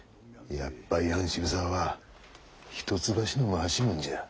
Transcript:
やっぱいあの渋沢は一橋の回しもんじゃ。